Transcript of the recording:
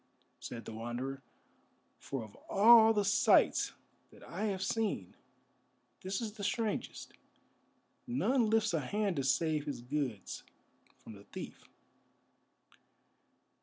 said the Wanderer, "for of all the sights that I have seen, this is the strangest. None lifts a hand to save his goods from the thief."